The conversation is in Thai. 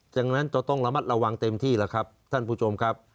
จากนั้นจะต้องระมัดระวังเต็มที่แล้วครับท่านผู้ชมครับ